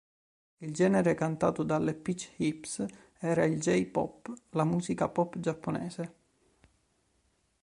Il genere cantato dalle Peach Hips era il "j-pop", la musica pop giapponese.